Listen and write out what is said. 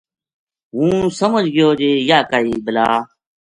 ہوں سمجھ گیو جے یاہ کائی بلا